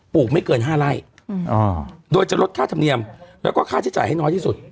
ลูกไม่เกิน๕ไร่โดยจะลดค่าธรรมเนียมแล้วก็ค่าใช้จ่ายให้น้อยที่สุด